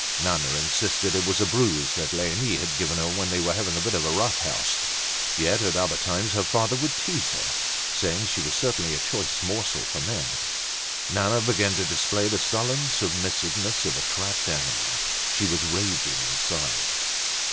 Nana insisted it was a bruise that Leonie had given her when they were having a bit of a rough house. Yet at other times her father would tease her, saying she was certainly a choice morsel for men. Nana began to display the sullen submissiveness of a trapped animal. She was raging inside.